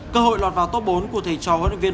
cơ hội lọt vào top bốn của thầy trò huấn luyện viên